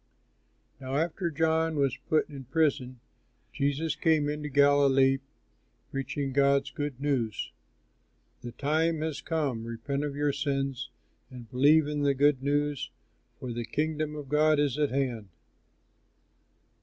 Now after John was put in prison, Jesus came into Galilee, preaching God's good news: "The time has come; repent of your sins and believe in the good news, for the kingdom of God is at hand."